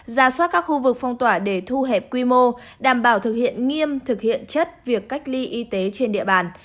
ra soát các khu vực phong tỏa để thu hẹp quy mô đảm bảo thực hiện nghiêm thực hiện chất việc cách ly y tế trên địa bàn